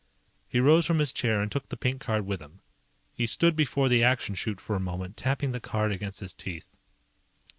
He rose from his chair and took the pink card with him. He stood before the Action Chute for a moment, tapping the card against his teeth.